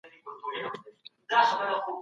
د هغې کیسه د نورو لپاره الهام دی.